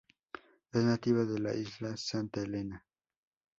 Es nativa de la Isla Santa Elena.